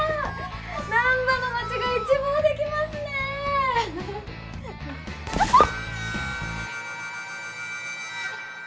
難波の街が一望できますねひゃっ！